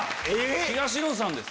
東野さんです。